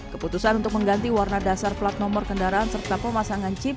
keputusan untuk mengganti warna dasar plat nomor kendaraan serta pemasangan chip